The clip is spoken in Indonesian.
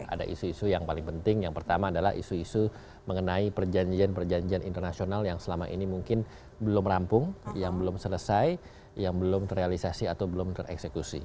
ada isu isu yang paling penting yang pertama adalah isu isu mengenai perjanjian perjanjian internasional yang selama ini mungkin belum rampung yang belum selesai yang belum terrealisasi atau belum tereksekusi